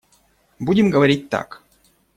Будем говорить так.